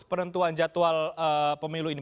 penentuan jadwal pemilu ini